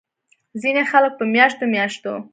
ځينې خلک پۀ مياشتو مياشتو